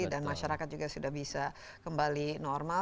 dan masyarakat juga sudah bisa kembali normal